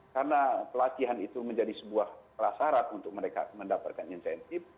karena pelatihan itu menjadi sebuah syarat untuk mereka mendapatkan insentif